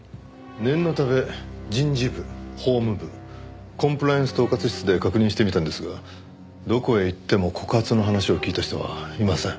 念のため人事部法務部コンプライアンス統括室で確認してみたんですがどこへ行っても告発の話を聞いた人はいません。